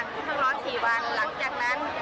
คือวันนี้เป็นถึงกำหนดวันเรามาทำงาน